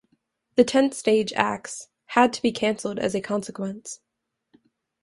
The tent stage acts had to be canceled as a consequence.